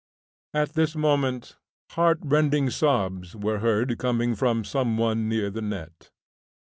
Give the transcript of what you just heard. At this moment heart rending sobs were heard coming from some one near the net.